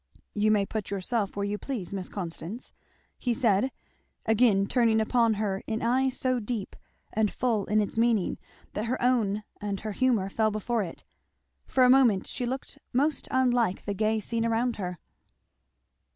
"You may put yourself where you please, Miss Constance," he said, again turning upon her an eye so deep and full in its meaning that her own and her humour fell before it; for a moment she looked most unlike the gay scene around her.